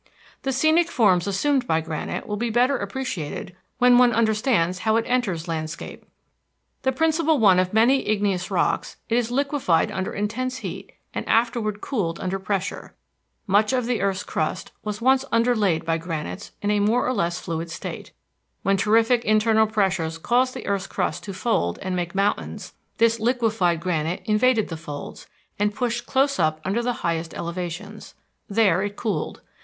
The scenic forms assumed by granite will be better appreciated when one understands how it enters landscape. The principal one of many igneous rocks, it is liquefied under intense heat and afterward cooled under pressure. Much of the earth's crust was once underlaid by granites in a more or less fluid state. When terrific internal pressures caused the earth's crust to fold and make mountains, this liquefied granite invaded the folds and pushed close up under the highest elevations. There it cooled.